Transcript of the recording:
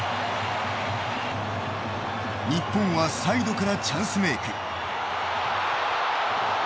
日本はサイドからチャンスメーク。